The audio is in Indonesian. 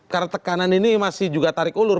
karena tekanan ini masih juga tarik ulur